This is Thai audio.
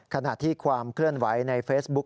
ขณะที่ความเคลื่อนไหวในเฟซบุ๊ค